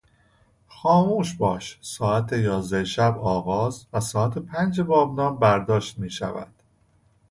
خاموشباش ساعت یازده شب آغاز و ساعت پنج بامداد برداشته میشود.